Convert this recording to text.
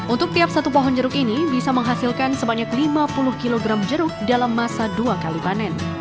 untuk tiap satu pohon jeruk ini bisa menghasilkan sebanyak lima puluh kg jeruk dalam masa dua kali panen